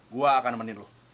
gua akan nemenin lo